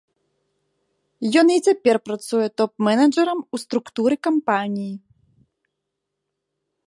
Ён і цяпер працуе топ-менеджарам у структуры кампаніі.